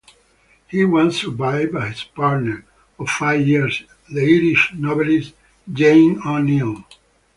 He was survived by his partner of five years, the Irish novelist Jamie O'Neill.